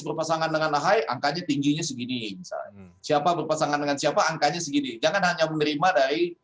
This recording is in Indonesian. berpasangan dengan ahy angkanya tingginya segini misalnya siapa berpasangan dengan siapa angkanya segini jangan hanya menerima dari